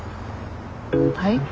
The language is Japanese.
はい？